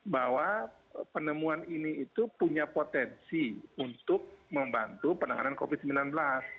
bahwa penemuan ini itu punya potensi untuk membantu penanganan covid sembilan belas